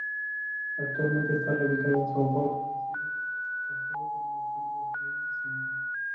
Actualmente está radicado en Sao Paulo, Brasil, casado con una actriz brasileña, Cynthia.